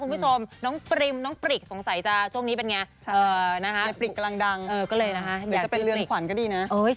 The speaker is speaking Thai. ไลฟ์ปริงกำลังก็เลยนะฮะหรือจะเป็นเรือนขวันก็ดีนะ